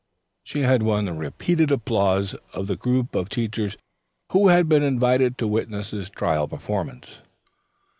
She had won the repeated applause of the group of teachers who had been invited to witness this trial performance.